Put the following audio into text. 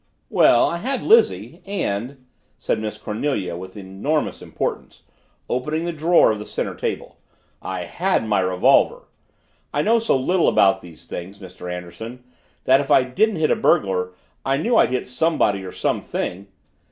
"Well, I had Lizzie. And," said Miss Cornelia with enormous importance, opening the drawer of the center table, "I had my revolver. I know so little about these things, Mr. Anderson, that if I didn't hit a burglar, I knew I'd hit somebody or something!"